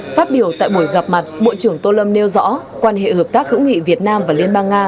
phát biểu tại buổi gặp mặt bộ trưởng tô lâm nêu rõ quan hệ hợp tác hữu nghị việt nam và liên bang nga